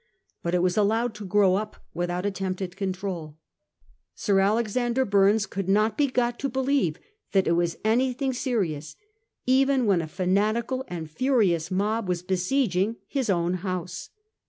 But it was allowed to grow up without attempt at control. Sir Alexander Bumes could not be got to believe that it was any thing serious even when a fanatical and furious mob were besieging his own house.